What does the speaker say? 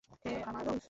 হে আমার রব!